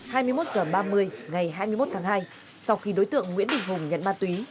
hai mươi một h ba mươi ngày hai mươi một tháng hai sau khi đối tượng nguyễn đình hùng nhận ma túy